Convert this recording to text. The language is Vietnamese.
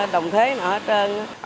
đồng thế nào hết trơn